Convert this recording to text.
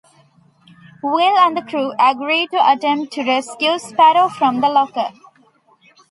Will and the crew agree to attempt to rescue Sparrow from the Locker.